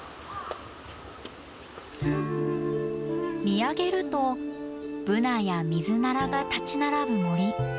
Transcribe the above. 見上げるとブナやミズナラが立ち並ぶ森。